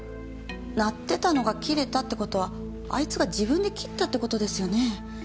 鳴ってたのが切れたってことはあいつが自分で切ったってことですよね。